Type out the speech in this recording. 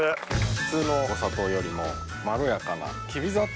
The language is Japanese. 普通のお砂糖よりもまろやかなきび砂糖。